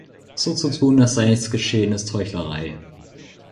So zu tun, als sei nichts geschehen, ist Heuchelei!